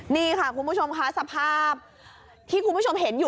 นี่ค่ะคุณผู้ชมค่ะสภาพที่คุณผู้ชมเห็นอยู่